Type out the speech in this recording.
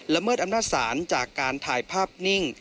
เมิดอำนาจศาลจากการถ่ายภาพนิ่ง